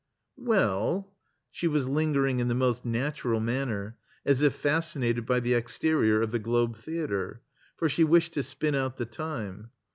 "Well" — she was lingering' in the most natural manner, as if fascinated by the exterior of the Globe Theater. For she wished to spin out the time.